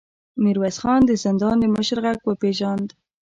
ميرويس خان د زندان د مشر غږ وپېژاند.